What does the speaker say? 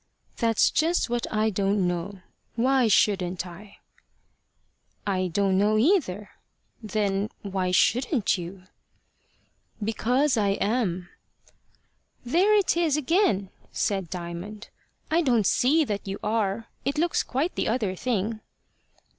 "That's just what I don't know. Why shouldn't I?" "I don't know either. Then why shouldn't you?" "Because I am." "There it is again," said Diamond. "I don't see that you are. It looks quite the other thing."